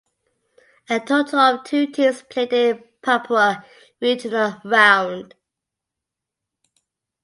A total of two teams played in Papua regional round.